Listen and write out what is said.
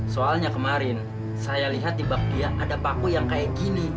soalnya kemarin saya lihat di bak dia ada baku yang kayak gini